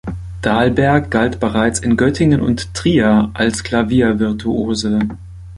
Dalberg galt bereits in Göttingen und Trier als Klaviervirtuose.